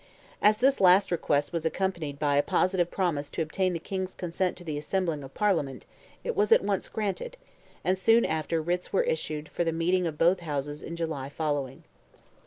As this last request was accompanied by a positive promise to obtain the King's consent to the assembling of Parliament, it was at once granted; and soon after writs were issued for the meeting of both Houses in July following.